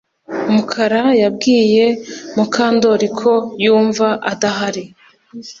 Mukara yabwiye Mukandoli ko yumva adahari